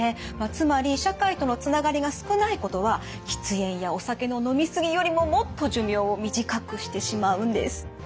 つまり社会とのつながりが少ないことは喫煙やお酒の飲み過ぎよりももっと寿命を短くしてしまうんです。